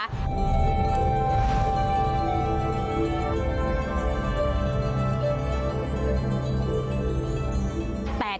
แต่ที่นี่นะคะ